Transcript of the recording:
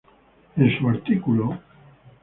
En su artículo